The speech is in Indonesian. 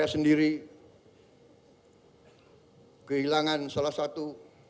saya sendiri kehilangan salah satu